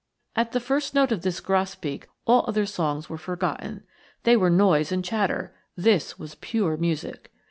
At the first note of this grosbeak all other songs were forgotten they were noise and chatter this was pure music.